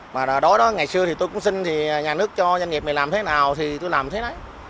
mà đối đó ngày xưa thì tôi cũng xin thì nhà nước cho doanh nghiệp này làm thế nào thì tôi làm thế đấy